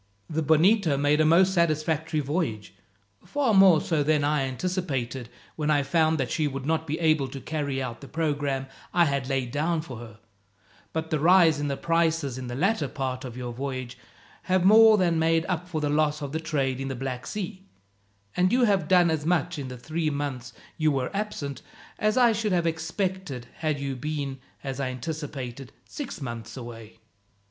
The Bonito made a most satisfactory voyage, far more so than I anticipated, when I found that she would not be able to carry out the programme I had laid down for her; but the rise in the prices in the latter part of your voyage have more than made up for the loss of the trade in the Black Sea; and you have done as much in the three months you were absent, as I should have expected had you been, as I anticipated, six months away.